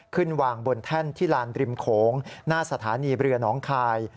วางบนแท่นที่ลานริมโขงหน้าสถานีเรือน้องคาย